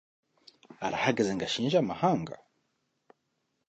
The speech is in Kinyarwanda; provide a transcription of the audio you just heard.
arahagaze ngo ashinje amahanga.